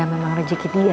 ya memang rezeki dia